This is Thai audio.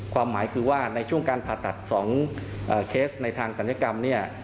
ความหมายคือว่าในช่วงการผ่าตัด๒เคสในทางศัลยกรรมเนี่ย